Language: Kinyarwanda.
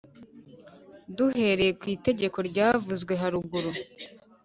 Duhereye ku itegeko ryavuzwe haruguru